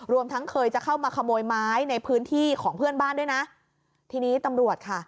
ทั้งเคยจะเข้ามาขโมยไม้ในพื้นที่ของเพื่อนบ้านด้วยนะทีนี้ตำรวจค่ะ